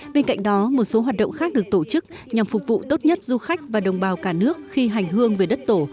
bên cạnh đó một số hoạt động khác được tổ chức nhằm phục vụ tốt nhất du khách và đồng bào cả nước khi hành hương về đất tổ